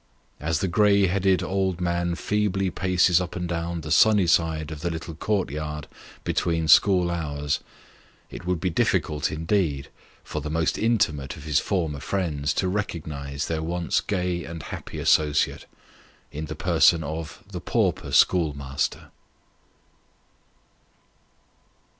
As the grey headed old man feebly paces up and down the sunny side of the little court yard between school hours, it would be difficult, indeed, for the most intimate of his former friends to recognise their once gay and happy associate, in the person of the Pauper Schoolmaster.